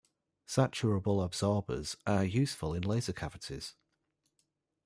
Saturable absorbers are useful in laser cavities.